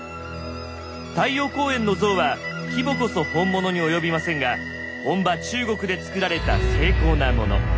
太陽公園の像は規模こそ本物に及びませんが本場中国でつくられた精巧なもの。